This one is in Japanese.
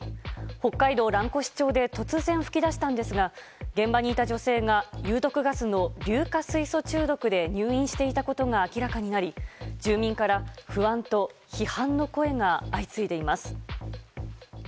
北海道蘭越町で突然噴き出したんですが現場にいた女性が有毒ガスの硫化水素中毒で入院していたことが明らかになり住民から不安と批判の声が相次いでいます。